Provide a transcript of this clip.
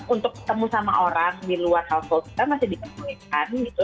untuk ketemu sama orang di luar household kita masih diperbolehkan gitu